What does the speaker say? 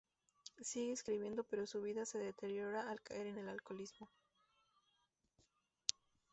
Sigue escribiendo pero su vida se deteriora al caer en el alcoholismo.